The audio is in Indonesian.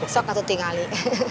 sok atau tinggalin